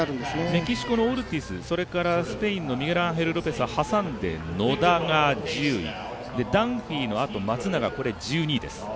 メキシコのオルティス、そしてスペインのミゲル・アンヘル・ロペス野田が１０位、ダンフィーのあと松永が１２位です。